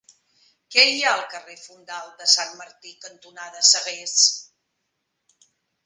Què hi ha al carrer Fondal de Sant Martí cantonada Sagués?